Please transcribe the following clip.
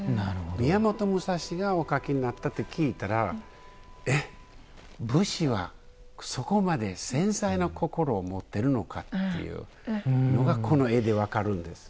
宮本武蔵がお描きになったって聞いたらえっ武士はそこまで繊細な心を持ってるのかっていうのがこの絵で分かるんです。